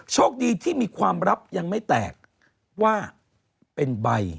โชคดีที่มีความลับยังไม่แตกว่าเป็นใบ